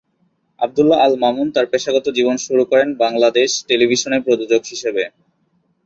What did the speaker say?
আব্দুল্লাহ আল মামুন তার পেশাগত জীবন শুরু করেন বাংলাদেশ টেলিভিশনে প্রযোজক হিসেবে।